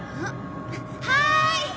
はい！